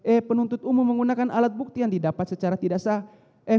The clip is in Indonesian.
e penuntut umum menggunakan alat bukti yang didapat secara tidak sah